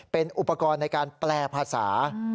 เป็นอุปกรณ์ในการแปลภาษา